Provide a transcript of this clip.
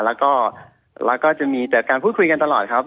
แล้วก็จะมีแต่การพูดคุยกันตลอดครับ